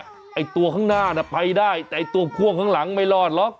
ไอ้ตัวข้างหน้าน่ะไปได้แต่ตัวพ่วงข้างหลังไม่รอดหรอก